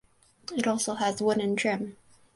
It also has wooden trim.